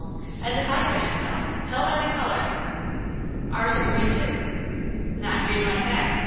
As if I couldn't tell! Tell by the colour." "Ours are green too." "Not green like that.